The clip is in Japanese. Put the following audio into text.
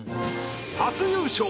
初優勝！